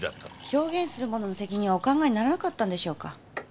表現する者の責任はお考えにならなかったのでしょうか？